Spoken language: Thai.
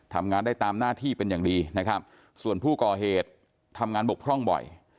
ทำงานได้ตามหน้าที่เป็นอย่างดีนะครับส่วนผู้ก่อเหตุทำงานบกพร่องบ่อย